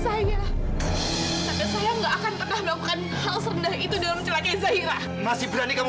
saya nggak akan pernah melakukan hal serendah itu dengan celaka zairah masih berani kamu